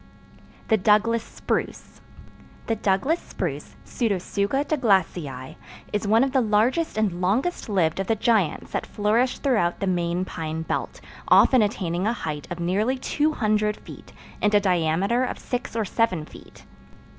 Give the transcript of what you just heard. The Douglas Spruce The Douglas Spruce (Pseudotsuga Douglasii) is one of the largest and longest lived of the giants that flourish throughout the main pine belt, often attaining a height of nearly 200 feet, and a diameter of six or seven feet.